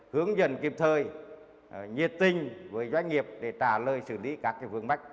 hướng dẫn kịp thời nhiệt tinh với doanh nghiệp để trả lời xử lý các vương mạch